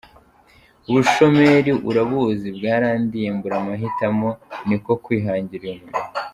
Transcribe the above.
Ubushomeri urabuzi, bwarandiye mbura amahitamo niko kwihangira uyu murimo.